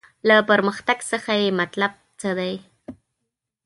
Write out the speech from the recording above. له پرمختګ څخه یې مطلب څه دی.